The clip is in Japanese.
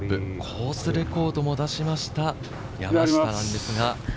コースレコードも出しました山下なんですが。